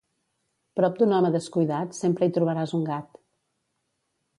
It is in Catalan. Prop d'un home descuidat sempre hi trobaràs un gat.